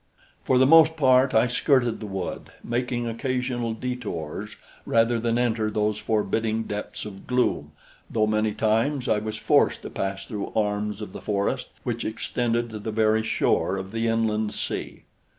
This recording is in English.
For the most part I skirted the wood, making occasional detours rather than enter those forbidding depths of gloom, though many times I was forced to pass through arms of the forest which extended to the very shore of the inland sea.